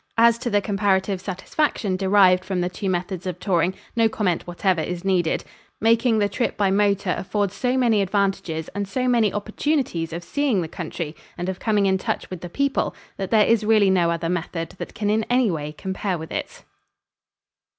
As to the comparative satisfaction derived from the two methods of touring, no comment whatever is needed. Making the trip by motor affords so many advantages and so many opportunities of seeing the country and of coming in touch with the people that there is really no other method that can in any way compare with it.